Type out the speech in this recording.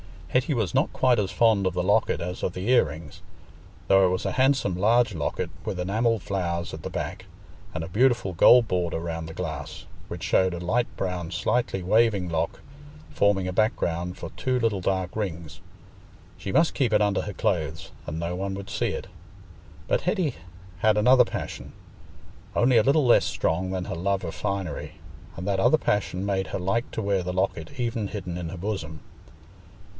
Hetty was not quite as fond of the locket as of the ear rings, though it was a handsome large locket, with enamelled flowers at the back and a beautiful gold border round the glass, which showed a light brown slightly waving lock, forming a background for two little dark rings. She must keep it under her clothes, and no one would see it. But Hetty had another passion, only a little less strong than her love of finery, and that other passion made her like to wear the locket even hidden in her bosom.